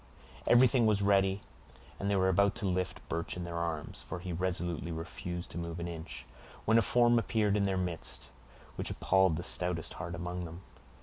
Everything was ready, and they were about to lift Birch in their arms, for he resolutely refused to move an inch, when a form appeared in their midst, which appalled the stoutest heart among them.